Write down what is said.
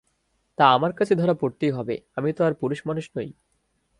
তা, আমার কাছে ধরা পড়তেই হবে, আমি তো আর পুরুষমানুষ নই।